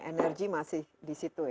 energi masih di situ ya